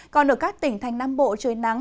còn ở các tỉnh thành nam bộ trời nắng